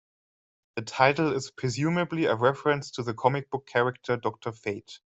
The title is presumably a reference to the comic book character Doctor Fate.